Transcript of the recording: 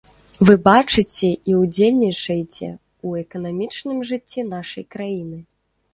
Вы бачыце і ўдзельнічаеце ў эканамічным жыцці нашай краіны.